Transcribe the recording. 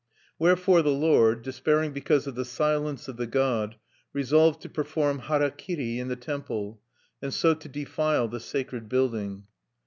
Wherefore the lord, despairing because of the silence of the god, resolved to perform harakiri in the temple, and so to defile the sacred building.